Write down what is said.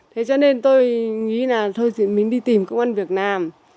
thế cho nên tôi nghĩ là thôi thì mình đi tìm công an việt nam